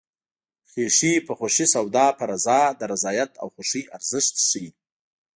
خیښي په خوښي سودا په رضا د رضایت او خوښۍ ارزښت ښيي